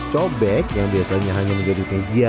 cobek yang biasanya hanya menjadi media